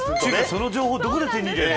その情報どこで手に入れるの。